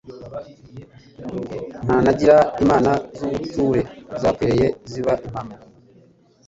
Ntanagira imana z'ubuture Zakwereye ziba impamo.